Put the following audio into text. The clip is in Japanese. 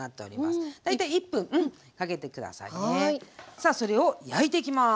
さあそれを焼いていきます。